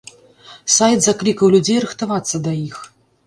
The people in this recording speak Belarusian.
Сайт заклікаў людзей рыхтавацца да іх.